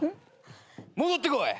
戻ってこい！